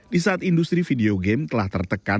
di saat industri video game telah tertekan